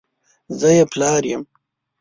زه یې پلار یم !